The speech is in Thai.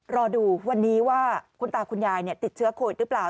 รอดูวันนี้ว่าคุณตาคุณยายติดเชื้อโควิดหรือเปล่า